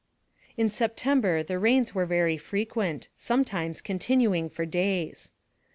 In September the rains were very frequent, some times continuing for days.